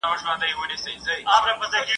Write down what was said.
پیدا کړی چي خالق فاني جهان دی !.